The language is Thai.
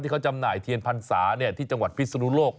เขาจำหน่ายเทียนพรรษาที่จังหวัดพิศนุโลก